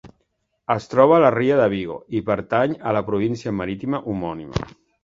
Es troba a la ria de Vigo i pertany a la província marítima homònima.